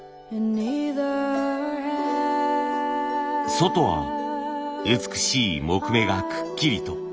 外は美しい木目がくっきりと。